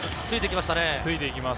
ついてきましたね。